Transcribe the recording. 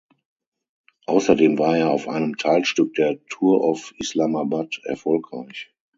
Außerdem war er auf einem Teilstück der "Tour of Islamabad" erfolgreich.